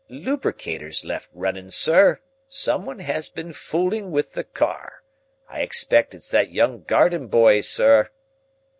"Lubricators left running, sir. Someone has been fooling with the car. I expect it's that young garden boy, sir."